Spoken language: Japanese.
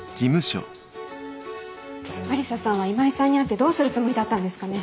愛理沙さんは今井さんに会ってどうするつもりだったんですかね？